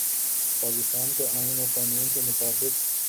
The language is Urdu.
پاکستان کے آئین و قانون کے مطابق